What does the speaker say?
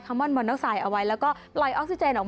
คาร์มอนบอนเดลกทรายเอาไว้